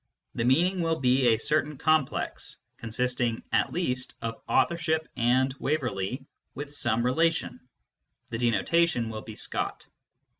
The meaning will be a certain complex, consisting (at least) of authorship and Waverley (with some relation/; denotation will be Scott.